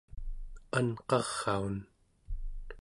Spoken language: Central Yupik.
anqaraun